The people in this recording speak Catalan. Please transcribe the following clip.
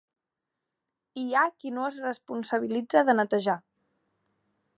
Hi ha qui no es responsabilitza de netejar.